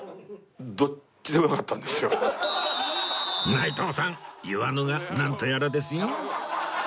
内藤さん言わぬがなんとやらですよ